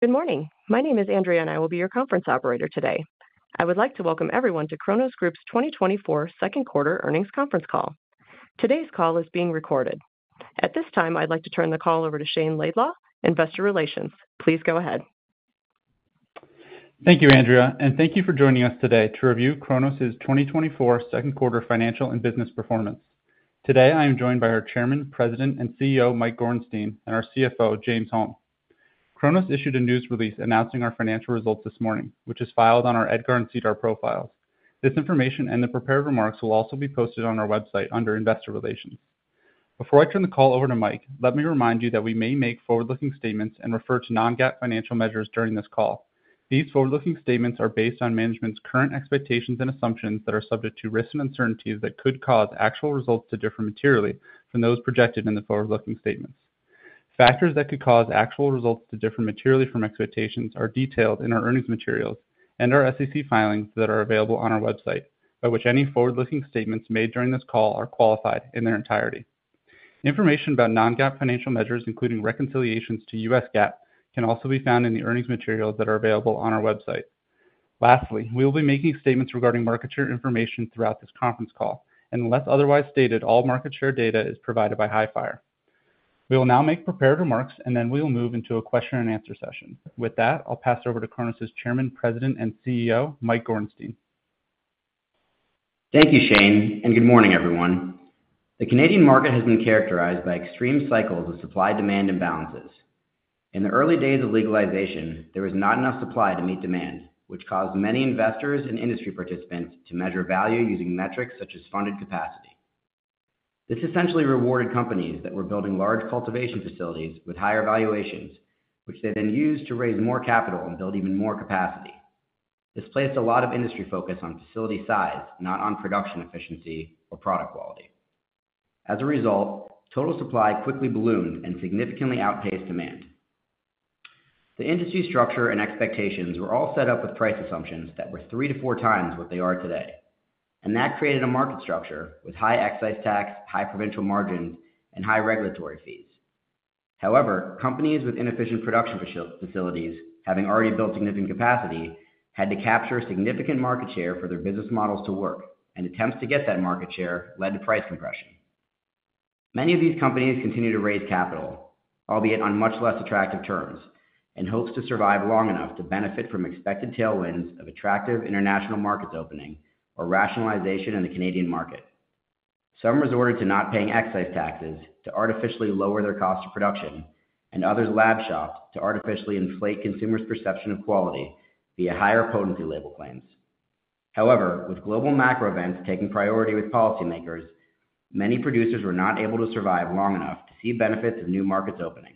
Good morning. My name is Andrea, and I will be your conference operator today. I would like to welcome everyone to Cronos Group's 2024 second quarter earnings conference call. Today's call is being recorded. At this time, I'd like to turn the call over to Shayne Laidlaw, Investor Relations. Please go ahead. Thank you, Andrea, and thank you for joining us today to review Cronos' 2024 second quarter financial and business performance. Today, I am joined by our Chairman, President, and CEO, Mike Gorenstein, and our CFO, James Holm. Cronos issued a news release announcing our financial results this morning, which is filed on our EDGAR and SEDAR profiles. This information and the prepared remarks will also be posted on our website under Investor Relations. Before I turn the call over to Mike, let me remind you that we may make forward-looking statements and refer to non-GAAP financial measures during this call. These forward-looking statements are based on management's current expectations and assumptions that are subject to risks and uncertainties that could cause actual results to differ materially from those projected in the forward-looking statements. Factors that could cause actual results to differ materially from expectations are detailed in our earnings materials and our SEC filings that are available on our website, by which any forward-looking statements made during this call are qualified in their entirety. Information about Non-GAAP financial measures, including reconciliations to U.S. GAAP, can also be found in the earnings materials that are available on our website. Lastly, we will be making statements regarding market share information throughout this conference call, and unless otherwise stated, all market share data is provided by Hifyre. We will now make prepared remarks, and then we will move into a question and answer session. With that, I'll pass it over to Cronos' Chairman, President, and CEO, Mike Gorenstein. Thank you, Shayne, and good morning, everyone. The Canadian market has been characterized by extreme cycles of supply-demand imbalances. In the early days of legalization, there was not enough supply to meet demand, which caused many investors and industry participants to measure value using metrics such as funded capacity. This essentially rewarded companies that were building large cultivation facilities with higher valuations, which they then used to raise more capital and build even more capacity. This placed a lot of industry focus on facility size, not on production efficiency or product quality. As a result, total supply quickly ballooned and significantly outpaced demand. The industry structure and expectations were all set up with price assumptions that were 3-4 times what they are today, and that created a market structure with high excise tax, high provincial margins, and high regulatory fees. However, companies with inefficient production facilities, having already built significant capacity, had to capture a significant market share for their business models to work, and attempts to get that market share led to price compression. Many of these companies continue to raise capital, albeit on much less attractive terms, in hopes to survive long enough to benefit from expected tailwinds of attractive international markets opening or rationalization in the Canadian market. Some resorted to not paying excise taxes to artificially lower their cost of production, and others lab shopped to artificially inflate consumers' perception of quality via higher potency label claims. However, with global macro events taking priority with policymakers, many producers were not able to survive long enough to see benefits of new markets opening.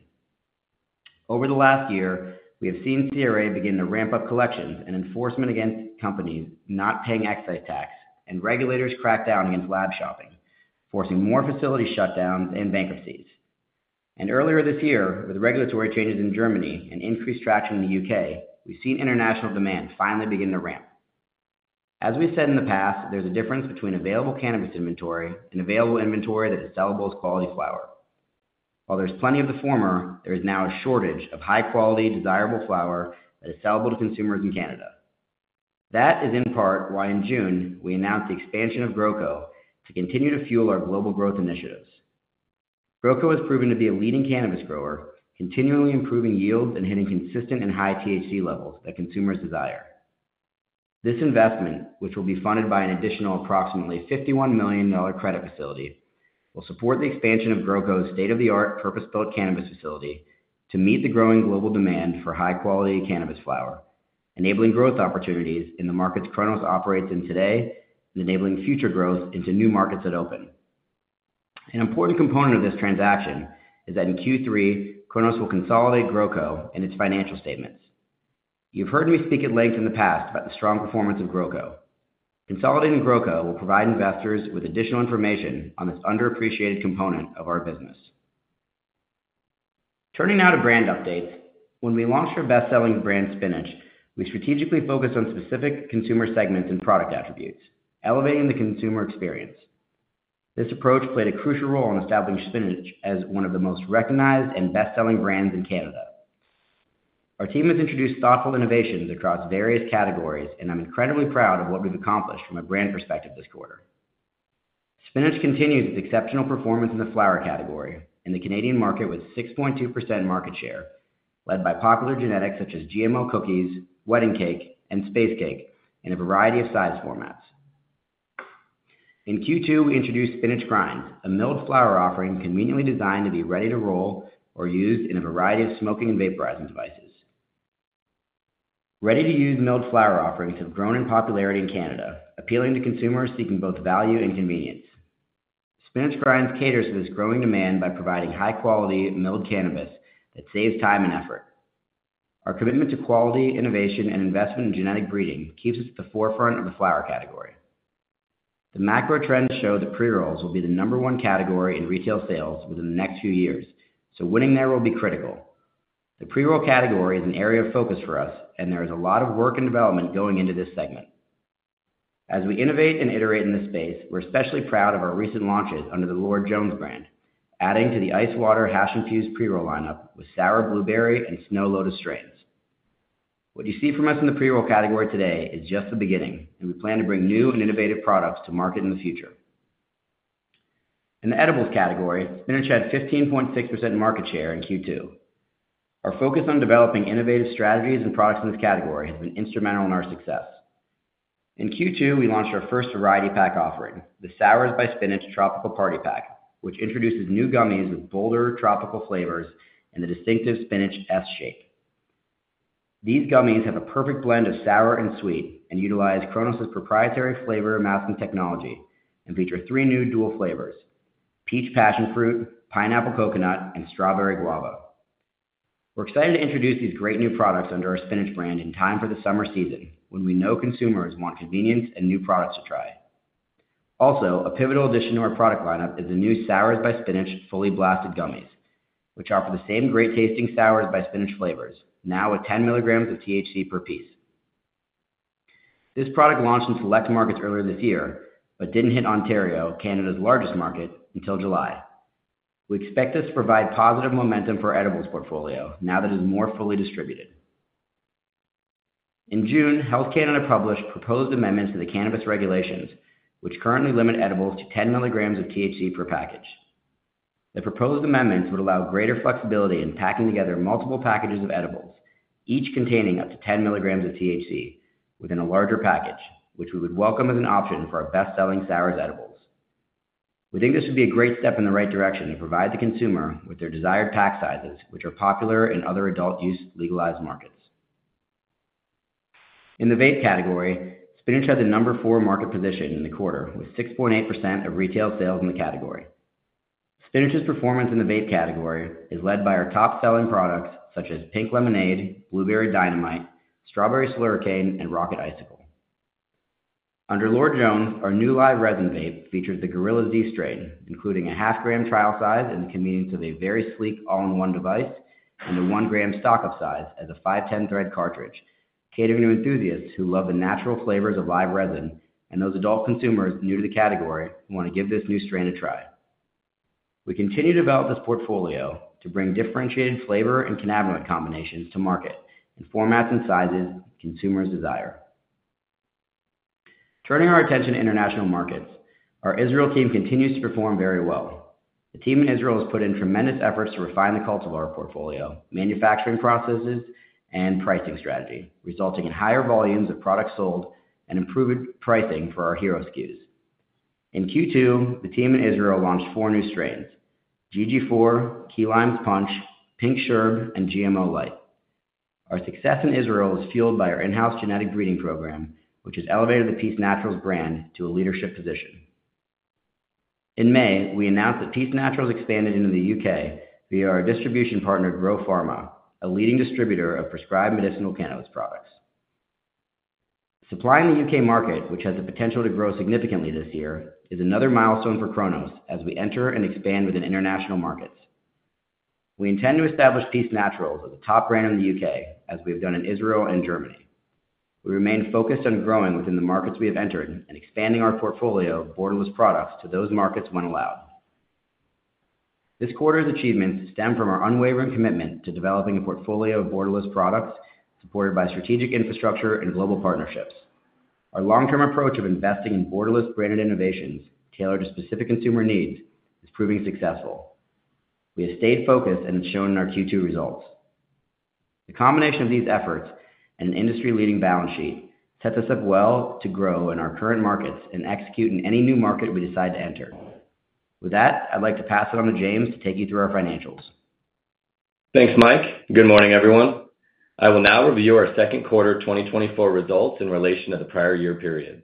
Over the last year, we have seen CRA begin to ramp up collections and enforcement against companies not paying excise tax, and regulators crack down against lab shopping, forcing more facility shutdowns and bankruptcies. Earlier this year, with regulatory changes in Germany and increased traction in the UK, we've seen international demand finally begin to ramp. As we said in the past, there's a difference between available cannabis inventory and available inventory that is sellable as quality flower. While there's plenty of the former, there is now a shortage of high-quality, desirable flower that is sellable to consumers in Canada. That is in part why in June, we announced the expansion of GrowCo to continue to fuel our global growth initiatives. GrowCo has proven to be a leading cannabis grower, continually improving yields and hitting consistent and high THC levels that consumers desire. This investment, which will be funded by an additional approximately 51 million dollar credit facility, will support the expansion of GrowCo's state-of-the-art, purpose-built cannabis facility to meet the growing global demand for high-quality cannabis flower, enabling growth opportunities in the markets Cronos operates in today and enabling future growth into new markets that open. An important component of this transaction is that in Q3, Cronos will consolidate GrowCo in its financial statements. You've heard me speak at length in the past about the strong performance of GrowCo. Consolidating GrowCo will provide investors with additional information on this underappreciated component of our business. Turning now to brand updates. When we launched our best-selling brand, Spinach, we strategically focused on specific consumer segments and product attributes, elevating the consumer experience. This approach played a crucial role in establishing Spinach as one of the most recognized and best-selling brands in Canada. Our team has introduced thoughtful innovations across various categories, and I'm incredibly proud of what we've accomplished from a brand perspective this quarter. Spinach continues its exceptional performance in the flower category in the Canadian market with 6.2% market share, led by popular genetics such as GMO Cookies, Wedding Cake, and Space Cake, in a variety of size formats. In Q2, we introduced Spinach Grinds, a milled flower offering conveniently designed to be ready to roll or used in a variety of smoking and vaporizing devices. Ready-to-use milled flower offerings have grown in popularity in Canada, appealing to consumers seeking both value and convenience. Spinach Grinds caters to this growing demand by providing high-quality milled cannabis that saves time and effort. Our commitment to quality, innovation, and investment in genetic breeding keeps us at the forefront of the flower category. The macro trends show that pre-rolls will be the number one category in retail sales within the next few years, so winning there will be critical. The pre-roll category is an area of focus for us, and there is a lot of work and development going into this segment. As we innovate and iterate in this space, we're especially proud of our recent launches under the Lord Jones brand, adding to the ice water hash infused pre-roll lineup with sour blueberry and Snow Lotus strains. What you see from us in the pre-roll category today is just the beginning, and we plan to bring new and innovative products to market in the future. In the edibles category, Spinach had 15.6% market share in Q2. Our focus on developing innovative strategies and products in this category has been instrumental in our success. In Q2, we launched our first variety pack offering, the Spinach Sours Tropical Party Pack, which introduces new gummies with bolder tropical flavors and the distinctive Spinach S-shape. These gummies have a perfect blend of sour and sweet, and utilize Cronos' proprietary flavor masking technology, and feature three new dual flavors: peach passion fruit, pineapple coconut, and Strawberry Guava. We're excited to introduce these great new products under our Spinach brand in time for the summer season, when we know consumers want convenience and new products to try. Also, a pivotal addition to our product lineup is the new Spinach Sours Fully Blasted gummies, which offer the same great-tasting Spinach Sours flavors, now with 10 milligrams of THC per piece. This product launched in select markets earlier this year, but didn't hit Ontario, Canada's largest market, until July. We expect this to provide positive momentum for our edibles portfolio, now that it's more fully distributed. In June, Health Canada published proposed amendments to the cannabis regulations, which currently limit edibles to 10 milligrams of THC per package. The proposed amendments would allow greater flexibility in packing together multiple packages of edibles, each containing up to 10 milligrams of THC within a larger package, which we would welcome as an option for our best-selling Sours edibles. We think this would be a great step in the right direction to provide the consumer with their desired pack sizes, which are popular in other adult use legalized markets. In the vape category, Spinach had the number 4 market position in the quarter, with 6.8% of retail sales in the category. Spinach's performance in the vape category is led by our top-selling products, such as Pink Lemonade, Blueberry Dynamite, Strawberry Slurricane, and Rocket Icicle. Under Lord Jones, our new live resin vape features the Gorilla Z strain, including a half gram trial size and the convenience of a very sleek all-in-one device, and a one-gram stock up size as a 510 thread cartridge, catering to enthusiasts who love the natural flavors of live resin, and those adult consumers new to the category, who want to give this new strain a try. We continue to develop this portfolio to bring differentiated flavor and cannabinoid combinations to market in formats and sizes consumers desire. Turning our attention to international markets, our Israel team continues to perform very well. The team in Israel has put in tremendous efforts to refine the cultivars of our portfolio, manufacturing processes, and pricing strategy, resulting in higher volumes of products sold and improved pricing for our hero SKUs. In Q2, the team in Israel launched four new strains: GG4, Key Lime Punch, Pink Sherb, and GMO Light. Our success in Israel is fueled by our in-house genetic breeding program, which has elevated the Peace Naturals brand to a leadership position. In May, we announced that Peace Naturals expanded into the U.K. via our distribution partner, Grow Pharma, a leading distributor of prescribed medicinal cannabis products. Supplying the UK market, which has the potential to grow significantly this year, is another milestone for Cronos as we enter and expand within international markets. We intend to establish Peace Naturals as a top brand in the U.K., as we have done in Israel and Germany. We remain focused on growing within the markets we have entered and expanding our portfolio of borderless products to those markets when allowed. This quarter's achievements stem from our unwavering commitment to developing a portfolio of borderless products, supported by strategic infrastructure and global partnerships. Our long-term approach of investing in borderless branded innovations tailored to specific consumer needs is proving successful. We have stayed focused, and it's shown in our Q2 results. The combination of these efforts and an industry-leading balance sheet sets us up well to grow in our current markets and execute in any new market we decide to enter. With that, I'd like to pass it on to James to take you through our financials. Thanks, Mike. Good morning, everyone. I will now review our second quarter 2024 results in relation to the prior year period.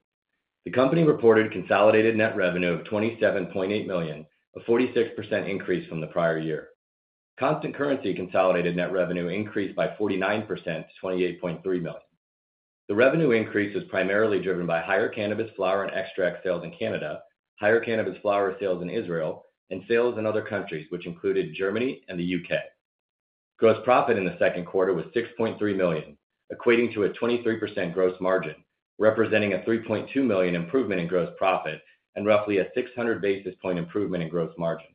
The company reported consolidated net revenue of 27.8 million, a 46% increase from the prior year. Constant currency consolidated net revenue increased by 49% to 28.3 million. The revenue increase was primarily driven by higher cannabis flower and extract sales in Canada, higher cannabis flower sales in Israel, and sales in other countries, which included Germany and the U.K. Gross profit in the second quarter was 6.3 million, equating to a 23% gross margin, representing a 3.2 million improvement in gross profit and roughly a 600 basis points improvement in gross margin.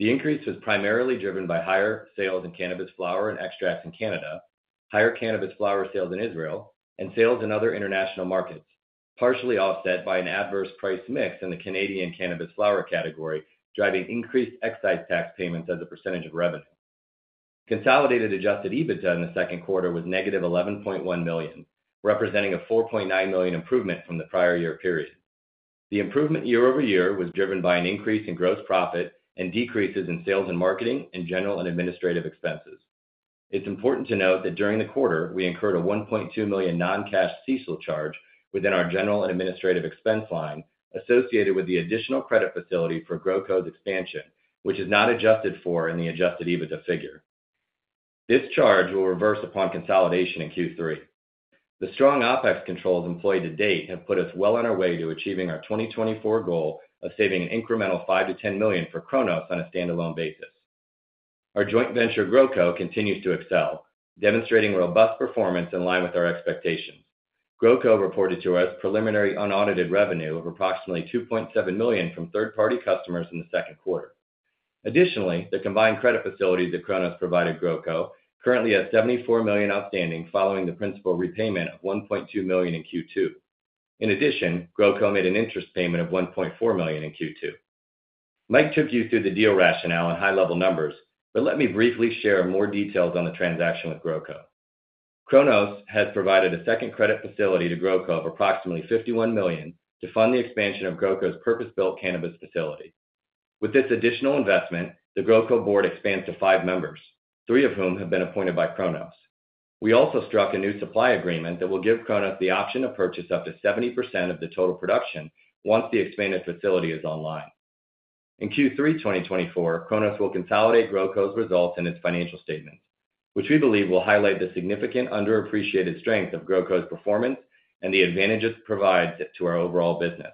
The increase was primarily driven by higher sales in cannabis flower and extracts in Canada, higher cannabis flower sales in Israel, and sales in other international markets, partially offset by an adverse price mix in the Canadian cannabis flower category, driving increased excise tax payments as a percentage of revenue. Consolidated Adjusted EBITDA in the second quarter was negative 11.1 million, representing a 4.9 million improvement from the prior year period. The improvement year-over-year was driven by an increase in gross profit and decreases in sales and marketing and general and administrative expenses. It's important to note that during the quarter, we incurred a 1.2 million non-cash cessation charge within our general and administrative expense line, associated with the additional credit facility for GrowCo's expansion, which is not adjusted for in the Adjusted EBITDA figure. This charge will reverse upon consolidation in Q3. The strong OpEx controls employed to date have put us well on our way to achieving our 2024 goal of saving an incremental 5 million-10 million for Cronos on a standalone basis. Our joint venture, GrowCo, continues to excel, demonstrating robust performance in line with our expectations. GrowCo reported to us preliminary unaudited revenue of approximately 2.7 million from third-party customers in the second quarter. Additionally, the combined credit facility that Cronos provided GrowCo currently has 74 million outstanding, following the principal repayment of 1.2 million in Q2. In addition, GrowCo made an interest payment of 1.4 million in Q2. Mike took you through the deal rationale and high-level numbers, but let me briefly share more details on the transaction with GrowCo. Cronos has provided a second credit facility to GrowCo of approximately 51 million to fund the expansion of GrowCo's purpose-built cannabis facility. With this additional investment, the GrowCo board expands to 5 members, 3 of whom have been appointed by Cronos. We also struck a new supply agreement that will give Cronos the option to purchase up to 70% of the total production once the expanded facility is online. In Q3 2024, Cronos will consolidate GrowCo's results in its financial statements, which we believe will highlight the significant underappreciated strength of GrowCo's performance and the advantages it provides to our overall business.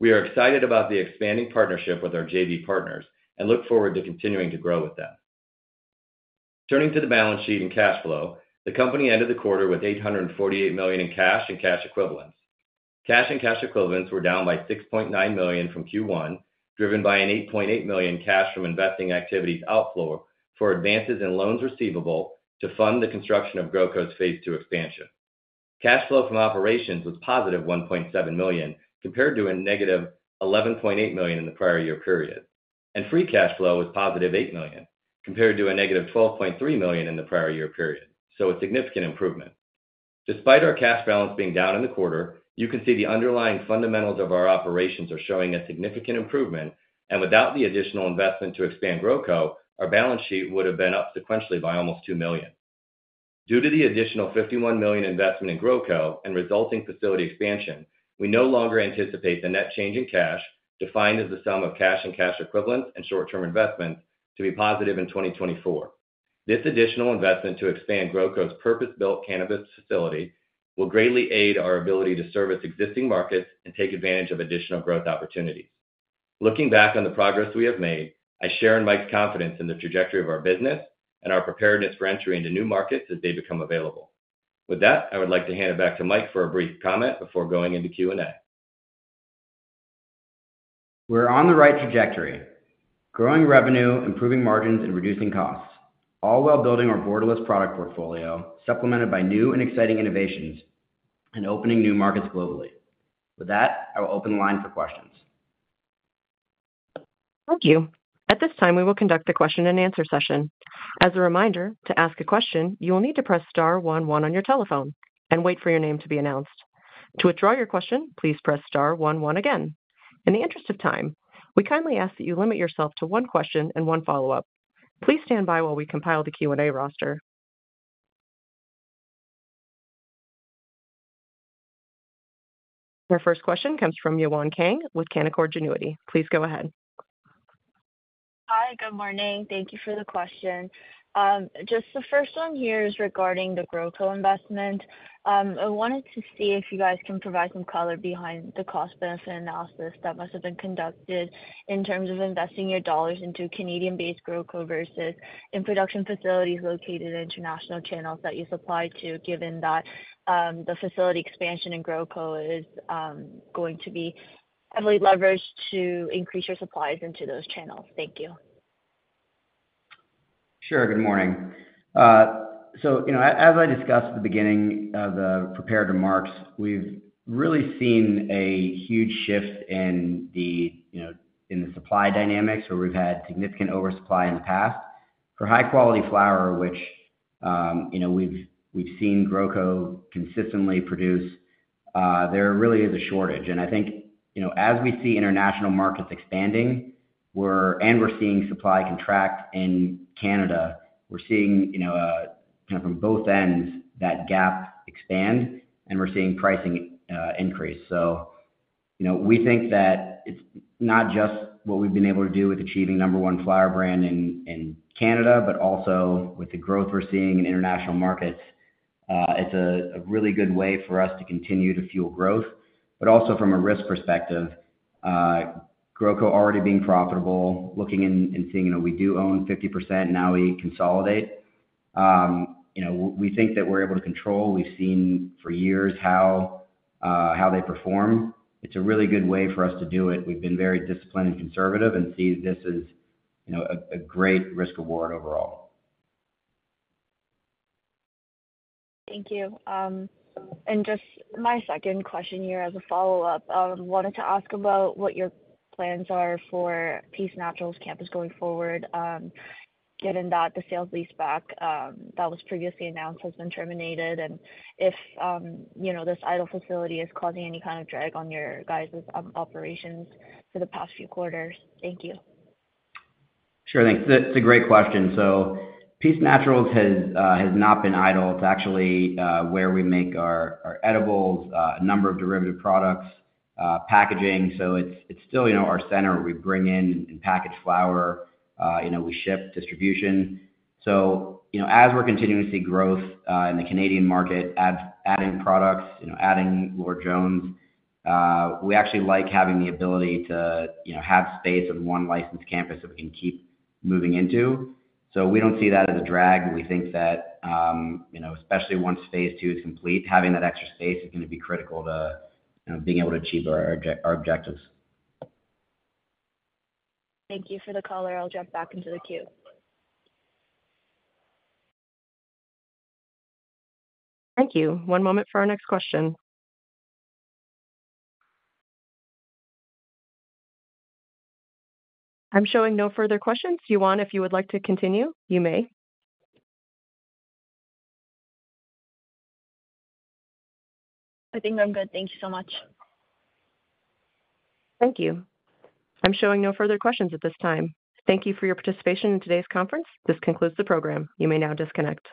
We are excited about the expanding partnership with our JV partners and look forward to continuing to grow with them. Turning to the balance sheet and cash flow, the company ended the quarter with 848 million in cash and cash equivalents. Cash and cash equivalents were down by 6.9 million from Q1, driven by an 8.8 million cash from investing activities outflow for advances in loans receivable to fund the construction of GrowCo's phase II expansion. Cash flow from operations was +1.7 million, compared to a -11.8 million in the prior year period. Free cash flow was +8 million, compared to a -12.3 million in the prior year period. So a significant improvement. Despite our cash balance being down in the quarter, you can see the underlying fundamentals of our operations are showing a significant improvement, and without the additional investment to expand GrowCo, our balance sheet would have been up sequentially by almost 2 million. Due to the additional 51 million investment in GrowCo and resulting facility expansion, we no longer anticipate the net change in cash, defined as the sum of cash and cash equivalents and short-term investments, to be positive in 2024. This additional investment to expand GrowCo's purpose-built cannabis facility will greatly aid our ability to service existing markets and take advantage of additional growth opportunities. Looking back on the progress we have made, I share in Mike's confidence in the trajectory of our business and our preparedness for entering into new markets as they become available. With that, I would like to hand it back to Mike for a brief comment before going into Q&A. We're on the right trajectory, growing revenue, improving margins, and reducing costs, all while building our borderless product portfolio, supplemented by new and exciting innovations, and opening new markets globally. With that, I will open the line for questions. Thank you. At this time, we will conduct a question-and-answer session. As a reminder, to ask a question, you will need to press star one one on your telephone and wait for your name to be announced. To withdraw your question, please press star one one again. In the interest of time, we kindly ask that you limit yourself to one question and one follow-up. Please stand by while we compile the Q&A roster. Our first question comes from Yewon Kang with Canaccord Genuity. Please go ahead. Hi, good morning. Thank you for the question. Just the first one here is regarding the GrowCo investment. I wanted to see if you guys can provide some color behind the cost-benefit analysis that must have been conducted in terms of investing your dollars into Canadian-based GrowCo versus in production facilities located in international channels that you supply to, given that the facility expansion in GrowCo is going to be heavily leveraged to increase your supplies into those channels. Thank you. Sure. Good morning. So, you know, as I discussed at the beginning of the prepared remarks, we've really seen a huge shift in the, you know, in the supply dynamics, where we've had significant oversupply in the past. For high-quality flower, which, you know, we've seen GrowCo consistently produce, there really is a shortage. And I think, you know, as we see international markets expanding, and we're seeing supply contract in Canada, we're seeing, you know, kind of from both ends, that gap expand, and we're seeing pricing increase. So, you know, we think that it's not just what we've been able to do with achieving number one flower brand in, in Canada, but also with the growth we're seeing in international markets, it's a really good way for us to continue to fuel growth. But also from a risk perspective, GrowCo already being profitable, looking and seeing, you know, we do own 50%, now we consolidate. You know, we think that we're able to control. We've seen for years how they perform. It's a really good way for us to do it. We've been very disciplined and conservative and see this as, you know, a great risk reward overall. Thank you. Just my second question here, as a follow-up, wanted to ask about what your plans are for Peace Naturals campus going forward, given that the sale-leaseback that was previously announced has been terminated, and if, you know, this idle facility is causing any kind of drag on you guys' operations for the past few quarters? Thank you. Sure, thanks. That's a great question. So Peace Naturals has not been idle. It's actually where we make our edibles, a number of derivative products, packaging. So it's still, you know, our center. We bring in and package flower, you know, we ship distribution. So, you know, as we're continuing to see growth in the Canadian market, adding products, you know, adding Lord Jones, we actually like having the ability to, you know, have space in one licensed campus that we can keep moving into. So we don't see that as a drag. We think that, you know, especially once phase two is complete, having that extra space is gonna be critical to, you know, being able to achieve our objectives. Thank you for the color. I'll drop back into the queue. Thank you. One moment for our next question. I'm showing no further questions. Yewon, if you would like to continue, you may. I think I'm good. Thank you so much. Thank you. I'm showing no further questions at this time. Thank you for your participation in today's conference. This concludes the program. You may now disconnect.